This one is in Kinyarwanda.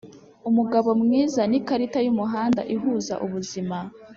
umugabo mwiza ni ikarita yumuhanda ihuza ubuzima